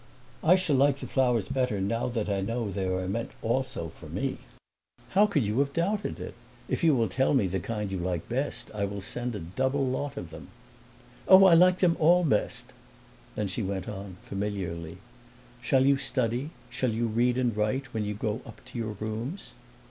"I shall like the flowers better now that I know they are also meant for me." "How could you have doubted it? If you will tell me the kind you like best I will send a double lot of them." "Oh, I like them all best!" Then she went on, familiarly: "Shall you study shall you read and write when you go up to your rooms?"